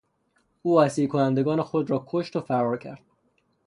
او اسیر کنندگان خود را کشت و فرار کرد.